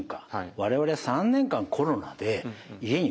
我々は３年間コロナで家に籠もってる。